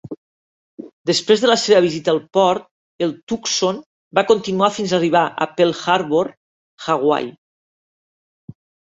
Després de la seva visita al port, el Tucson va continuar fins arribar a Pearl Harbor, Hawaii.